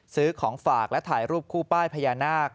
ซื้อของฝากและถ่ายรูปคู่ป้ายพญานาค